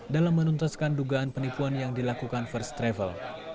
dalam menuntaskan dugaan penipuan yang dilakukan first travel